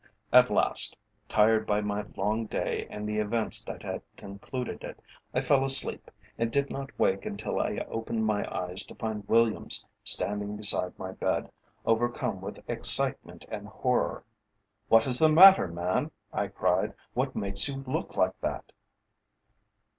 At last, tired by my long day and the events that had concluded it, I fell asleep, and did not wake until I opened my eyes to find Williams standing beside my bed, overcome with excitement and horror. "What is the matter, man?" I cried. "What makes you look like that?"